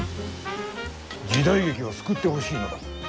時代劇を救ってほしいのだ。